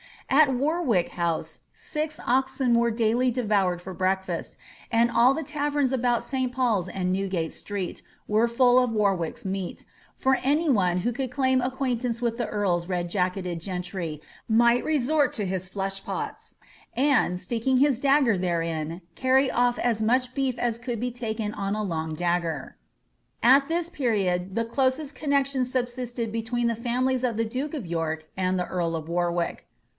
At Warwick House, six oxen were daily devoured for break&st, and all the taverns about St Paul's and Newgate Street were full of Warwick's meat, for any one who could claim acquaintance with that earl's red jacketed gentry might resort to his flesh pots, and, sticking his dagger therein, carry ofi* as much beef as could be taken on a long dagger." At this period the closest connexion subsisted between the £unilies i)f the duke of York and the earl of Warwick.